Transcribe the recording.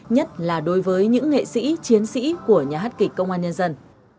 nhất là đối với những nghệ sĩ chiến sĩ của nhà hát kịch công an nhân dân